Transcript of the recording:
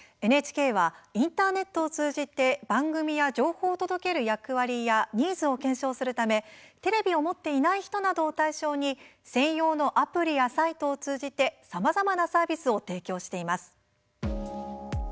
ＮＨＫはインターネットを通じて番組や情報を届ける役割やニーズを検証するためテレビを持っていない人などを対象に専用のアプリやサイトを通じてさまざまなサービスを提供しています。